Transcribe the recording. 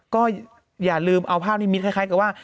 ก็อย่าลืมเอาภาพนิมิตคล้ายกับว่า